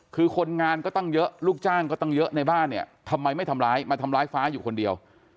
คือคนงานก็ตั้งเยอะลูกจ้างก็ตั้งเยอะในบ้านเนี่ยทำไมไม่ทำร้ายมาทำร้ายฟ้าอยู่คนเดียว